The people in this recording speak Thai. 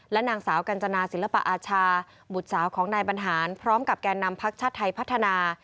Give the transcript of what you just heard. นางสาวกัญจนาศิลปอาชาบุตรสาวของนายบรรหารพร้อมกับแก่นำพักชาติไทยพัฒนา